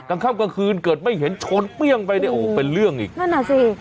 กลางค่ำกลางคืนเกิดไม่เห็นชนเปรี้ยงไปเนี่ยโอ้โหเป็นเรื่องอีกนั่นอ่ะสิ